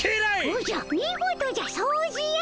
おじゃ見事じゃ掃除や。